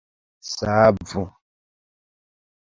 Savu!